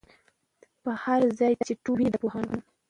پر هر ځای چي ټولۍ وینی د پوهانو